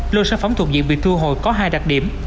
lô sản phẩm thuộc diện bị thu hồi có hai đặc điểm